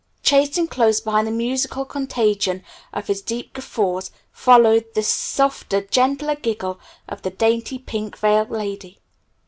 Chasing close behind the musical contagion of his deep guffaws followed the softer, gentler giggle of the dainty pink veiled lady.